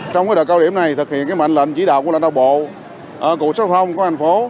trong đợt cao điểm này thực hiện mệnh lệnh chỉ đạo của lãnh đạo bộ cụ xã hội thông của thành phố